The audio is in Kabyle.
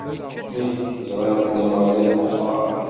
Nekk, ẓriɣ belli Ameɣlal meqqer.